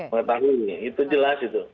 mengetahuinya itu jelas itu